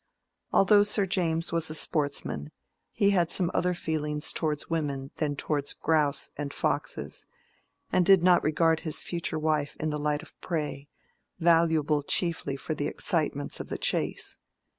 Although Sir James was a sportsman, he had some other feelings towards women than towards grouse and foxes, and did not regard his future wife in the light of prey, valuable chiefly for the excitements of the chase.